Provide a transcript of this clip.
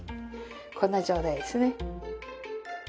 こんな状態ですね。